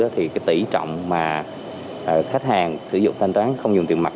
thì cái tỷ trọng mà khách hàng sử dụng thanh toán không dùng tiền mặt